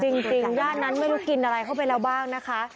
จริงย่านนั้นไม่รู้กินอะไรเข้าไปแล้วบ้างนะคะ